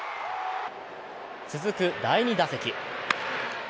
続く第２打席。